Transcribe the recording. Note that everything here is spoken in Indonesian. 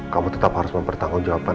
kamu tetap harus mempertanggung jawaban